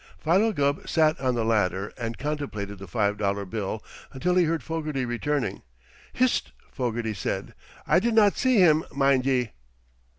Philo Gubb sat on the ladder and contemplated the five dollar bill until he heard Fogarty returning. "Hist!" Fogarty said. "I did not see him, mind ye!"